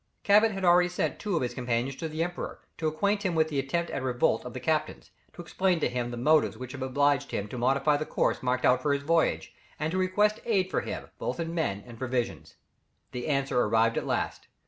Cabot had already sent two of his companions to the Emperor, to acquaint him with the attempt at revolt of the captains, to explain to him the motives which obliged him to modify the course marked out for his voyage, and to request aid from him, both in men and provisions. The answer arrived at last.